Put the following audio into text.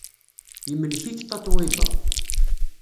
Yemlek-ik Tatoeba.